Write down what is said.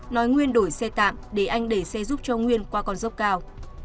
nói nguyên đổi xe tạm để anh đẩy xe giúp cho nguyên qua con dốc cao